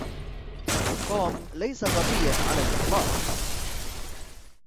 توم ليس غبيا على الاطلاق